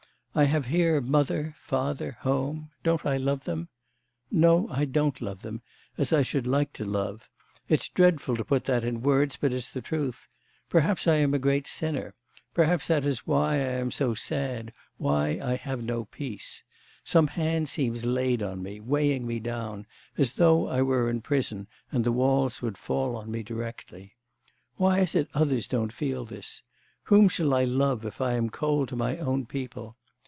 I have here mother, father, home. Don't I love them? No, I don't love them, as I should like to love. It's dreadful to put that in words, but it's the truth. Perhaps I am a great sinner; perhaps that is why I am so sad, why I have no peace. Some hand seems laid on me, weighing me down, as though I were in prison, and the walls would fall on me directly. Why is it others don't feel this? Whom shall I love, if I am cold to my own people?